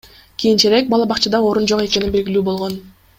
Кийинчерээк бала бакчада орун жок экени белгилүү болгон.